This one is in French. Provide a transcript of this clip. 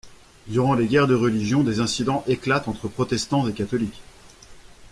Durant les guerres de religion, des incidents éclatent entre protestants et catholiques.